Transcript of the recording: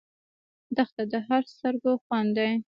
دښته د هر سترګو خوند دی.